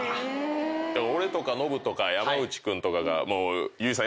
俺とかノブとか山内君とかがもう祐一さん